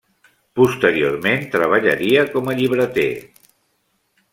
Posteriorment treballaria com a llibreter.